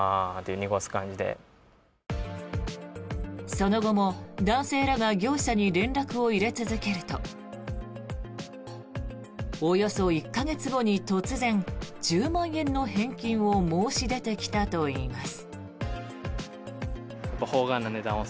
その後も男性らが業者に連絡を入れ続けるとおよそ１か月後に突然１０万円の返金を申し出てきたといいます。